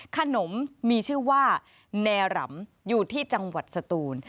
ขนมมีชื่อว่าแนรำอยู่ที่จังหวัดสตูน